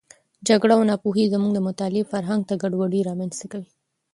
جګړه او ناپوهي زموږ د مطالعې فرهنګ ته ګډوډي رامنځته کړې.